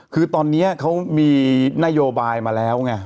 คือตอนนี้เขามีนโยบายมาแล้วไง